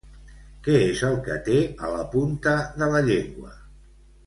Què és el que té a la punta de la llengua?